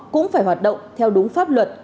cũng phải hoạt động theo đúng pháp luật